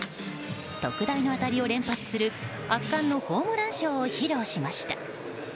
特大の当たりを連発する圧巻のホームランショーを披露しました。